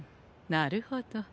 なるほど。